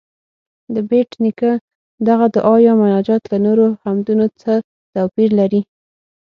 د بېټ نیکه دغه دعا یا مناجات له نورو حمدونو څه توپیر لري؟